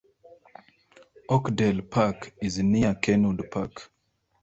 Oakdale Park is near Kenwood Park.